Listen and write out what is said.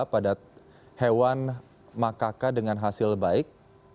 pada hewan makaka dengan hasil baik